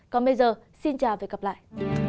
còn bây giờ xin chào và gặp lại